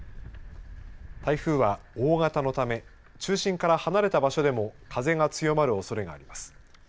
台風は大型のため中心から離れた場所でも風が強まるおそれがあります。